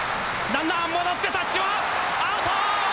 ランナー戻ってタッチはアウト！